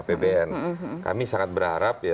pbn kami sangat berharap